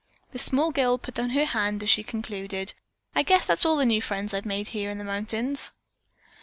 The small girl put down her hand as she concluded. "I guess that's all the new friends I've made here in the mountains."